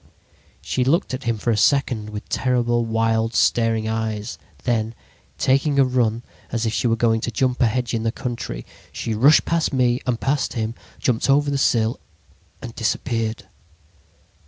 "She looked at him for a second with terrible, wild, staring eyes. Then, taking a run as if she were going to jump a hedge in the country, she rushed past me and past him, jumped over the sill and disappeared.